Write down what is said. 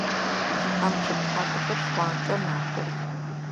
Бжыхьэм чъыг тхьапэхэр шхъуантӏэ мэхъух.